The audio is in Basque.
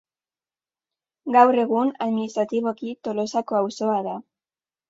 Gaur egun, administratiboki Tolosako auzoa da.